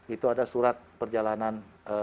itu ada surat perjalanan